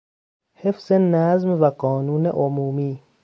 حفظ نظم و قانون عمومی